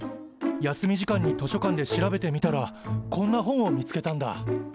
休み時間に図書館で調べてみたらこんな本を見つけたんだ。